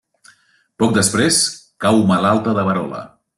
Poc després, cau malalta de verola.